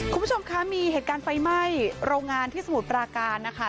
คุณผู้ชมคะมีเหตุการณ์ไฟไหม้โรงงานที่สมุทรปราการนะคะ